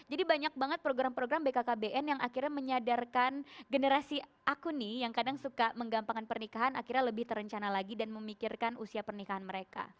banyak banget program program bkkbn yang akhirnya menyadarkan generasi aku nih yang kadang suka menggampangkan pernikahan akhirnya lebih terencana lagi dan memikirkan usia pernikahan mereka